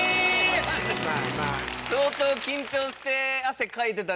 相当。